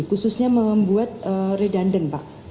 khususnya membuat redundant pak